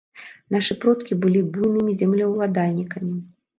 Нашы продкі былі буйнымі землеўладальнікамі.